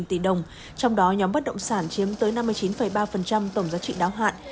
trong đó nhóm bất động sản chiếm tới năm mươi chín ba tổng giá trị đáo hạn